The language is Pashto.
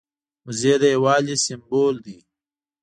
وزې د یو والي سمبول دي